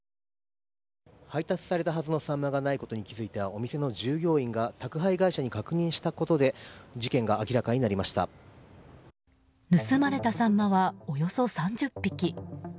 配達されたはずのサンマがないことに気付いたお店の従業員が宅配業者に確認したことで盗まれたサンマはおよそ３０匹。